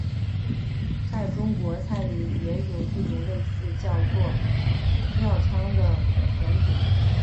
在中国菜里也有一种类似的叫做醪糟的甜品。